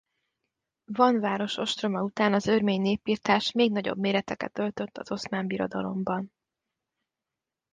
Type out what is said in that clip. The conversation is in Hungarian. Van város ostroma után az örmény népirtás még nagyobb méreteket öltött az Oszmán Birodalomban.